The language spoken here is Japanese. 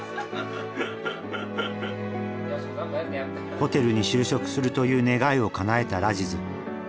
ホテルに就職するという願いをかなえたラジズ。